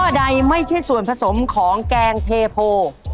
ใดไม่ใช่ส่วนผสมของแกงเทโพ